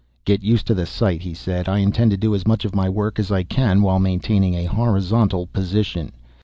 "Get used to the sight," he said. "I intend to do as much of my work as I can, while maintaining a horizontal position.